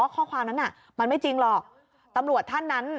ข้อความนั้นน่ะมันไม่จริงหรอกตำรวจท่านนั้น